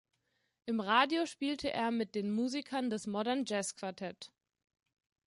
Im Radio spielte er mit den Musikern des Modern Jazz Quartet.